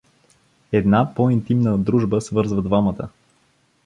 Една по-интимна дружба свързва двамата.